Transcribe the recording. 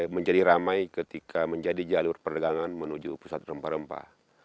menjadi ramai ketika menjadi jalur perdagangan menuju pusat rempah rempah